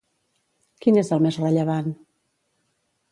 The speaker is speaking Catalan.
Quin és el més rellevant?